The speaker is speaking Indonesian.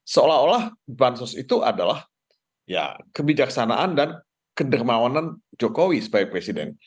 seolah olah bansos itu adalah ya kebijaksanaan dan kedermawanan jokowi sebagai presiden